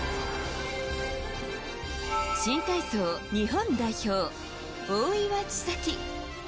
新体操日本代表、大岩千未来。